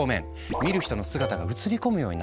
見る人の姿が映り込むようになっているよね。